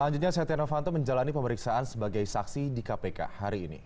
selanjutnya setia novanto menjalani pemeriksaan sebagai saksi di kpk hari ini